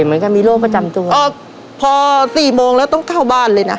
เหมือนกับมีโรคประจำตัวอ๋อพอสี่โมงแล้วต้องเข้าบ้านเลยนะ